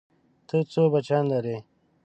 ته څو بچيان لرې؟